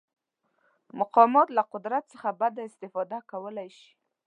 مقامات له قدرت څخه بده استفاده کولی شي.